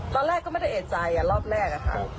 ตอนแรกก็ไม่ได้เอกใจรอบแรกอะค่ะ